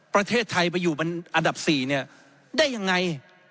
ประเทศไทยไปอยู่เป็นอันดับ๔เนี่ยได้ยังไง